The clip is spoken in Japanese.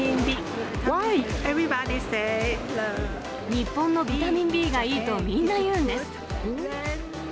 日本のビタミンＢがいいとみんな言うんです。